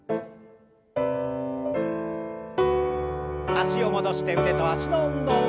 脚を戻して腕と脚の運動。